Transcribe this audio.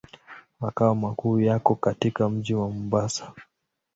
Makao makuu yako katika mji wa Mombasa.